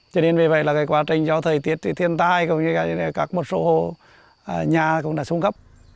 cho nên vì vậy là quá trình do thời tiết thì thiên tai cũng như là các một số nhà cũng đã xuống cấp